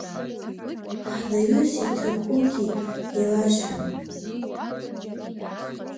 Ҳнаҩыс иҭакугьы ирасҳәоит…